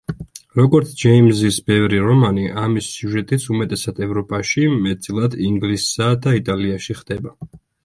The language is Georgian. როგორც ჯეიმზის ბევრი რომანი, ამის სიუჟეტიც უმეტესად ევროპაში, მეტწილად ინგლისსა და იტალიაში ხდება.